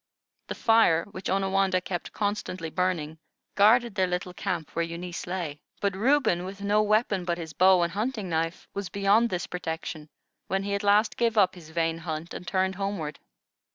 The fire, which Onawandah kept constantly burning, guarded their little camp where Eunice lay; but Reuben, with no weapon but his bow and hunting knife, was beyond this protection when he at last gave up his vain hunt and turned homeward.